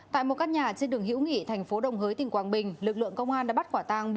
tại một căn nhà trên đường hữu nghị thành phố đồng hới tỉnh quảng bình lực lượng công an đã bắt quả tang